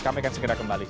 kami akan segera kembali